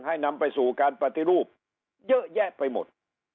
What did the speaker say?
นำไปสู่การปฏิรูปเยอะแยะไปหมด